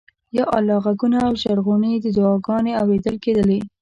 د یا الله غږونه او ژړغونې دعاګانې اورېدل کېدلې.